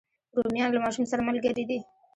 رومیان له ماشوم سره ملګري دي